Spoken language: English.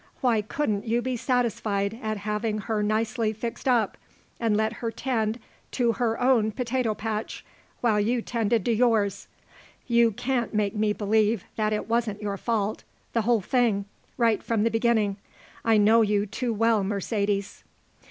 Why couldn't you be satisfied at having her nicely fixed up and let her tend to her own potato patch while you tended to yours? You can't make me believe that it wasn't your fault the whole thing right from the beginning. I know you too well, Mercedes."